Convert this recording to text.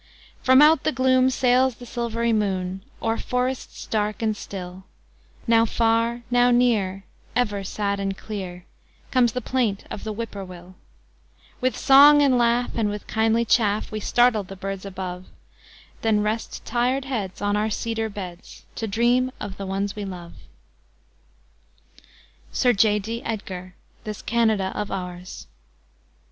From out the gloom sails the silv'ry moon, O'er forests dark and still, Now far, now near, ever sad and clear, Comes the plaint of the whip poor will; With song and laugh, and with kindly chaff, We startle the birds above, Then rest tired heads on our cedar beds, To dream of the ones we love. SIR J. D. EDGAR: "This Canada of Ours."